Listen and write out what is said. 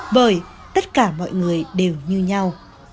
bởi tất cả mọi người đều như nhau